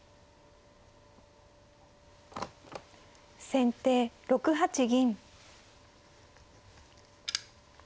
先手６八銀。